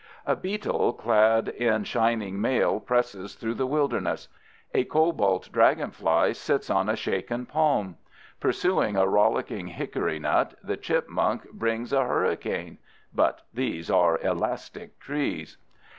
A beetle clad in shining mail presses through the wilderness. A cobalt dragonfly lights on a shaken palm. Pursuing a rolling hickory nut, the chipmunk brings a hurricane—but these are elastic trees.